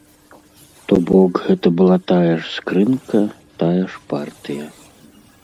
То бок гэта была тая ж скрынка, тая ж партыя.